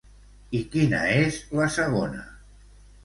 I quina és la segona?